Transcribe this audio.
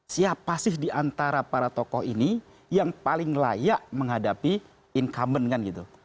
siapa sih diantara para tokoh ini yang paling layak menghadapi incumbent kan gitu